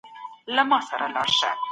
ملتونه څنګه نړیوال قانون عملي کوي؟